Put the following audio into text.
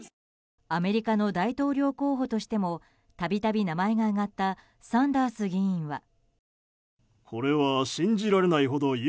アメリカの大統領候補としても度々、名前が挙がったサンダース議員は。